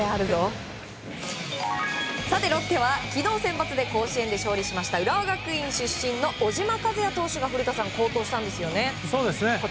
ロッテは昨日センバツで甲子園で勝利しました浦和学院出身の小島和哉選手が好投したんですよね。